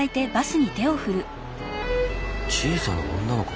小さな女の子。